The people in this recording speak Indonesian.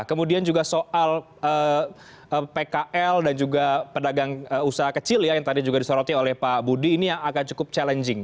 kemudian juga soal pkl dan juga pedagang usaha kecil ya yang tadi juga disoroti oleh pak budi ini yang akan cukup challenging